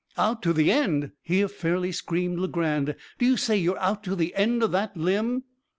"Out to the end!" here fairly screamed Legrand; "do you say you are out to the end of that limb?"